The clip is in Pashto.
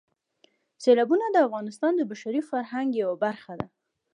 سیلابونه د افغانستان د بشري فرهنګ یوه برخه ده.